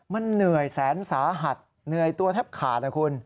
มันเหนื่อยแสนสาหัสเหนื่อยตัวแทบขาดนะคุณ